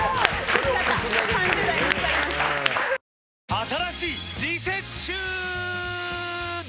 新しいリセッシューは！